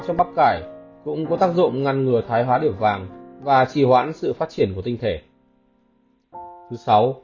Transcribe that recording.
các dưỡng chất này cũng có tác dụng ngăn ngừa tổn thương dây thần kinh giúp giảm nguy cơ mắc có bệnh alzheimer và chứng mất trí nhớ